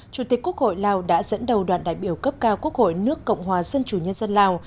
chủ tịch quốc hội lào đã dẫn đầu đoàn đại biểu cấp cao quốc hội nước cộng hòa dân chủ nhân dân lào